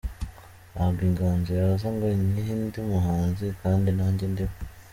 Ntabwo inganzo yaza ngo nyihe undi muhanzi kandi nanjye ndi we.